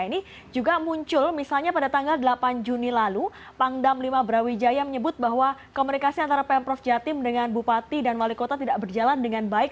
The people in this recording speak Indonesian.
ini juga muncul misalnya pada tanggal delapan juni lalu pangdam lima brawijaya menyebut bahwa komunikasi antara pemprov jatim dengan bupati dan wali kota tidak berjalan dengan baik